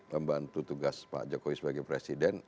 membantu tugas pak jokowi sebagai presiden